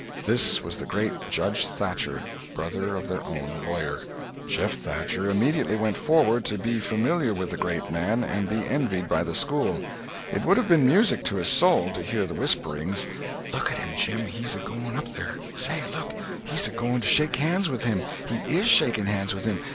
This was the great Judge Thatcher, brother of their own lawyer. Jeff Thatcher immediately went forward, to be familiar with the great man and be envied by the school. It would have been music to his soul to hear the whisperings: "Look at him, Jim! He's a going up there. Say—look! he's a going to shake hands with him—he is shaking hands with him!